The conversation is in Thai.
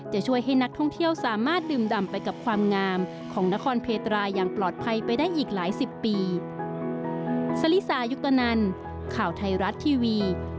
จะช่วยให้นักท่องเที่ยวสามารถดื่มดำไปกับความงามของนครเพตราอย่างปลอดภัยไปได้อีกหลายสิบปี